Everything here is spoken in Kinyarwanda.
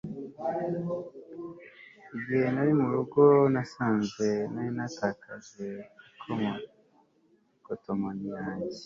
igihe nari mu rugo, nasanze nari natakaje ikotomoni yanjye